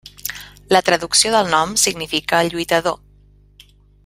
La traducció del nom significa lluitador.